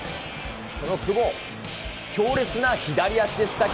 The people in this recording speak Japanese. その久保、強烈な左足でした。